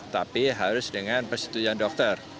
tapi harus dengan persetujuan dokter